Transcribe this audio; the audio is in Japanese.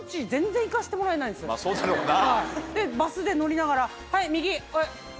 まぁそうだろうな。